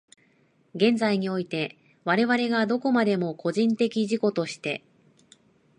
現在において、我々がどこまでも個人的自己として、